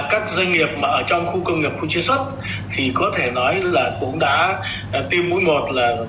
các doanh nghiệp mà ở trong khu công nghiệp cộng chí xuất thì có thể nói là cũng đã tiêm mỗi một là gần như một trăm linh